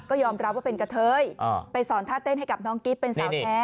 ก็ยอมรับว่าเป็นกะเทยไปสอนท่าเต้นให้กับน้องกิ๊บเป็นสาวแท้